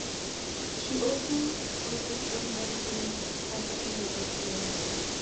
She also reported on Hurricane Katrina that year.